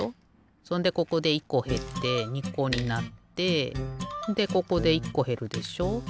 そんでここで１こへって２こになってでここで１こへるでしょ。